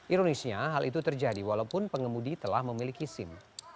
ironisnya hal itu terjadi walaupun pengemudi telah memiliki sim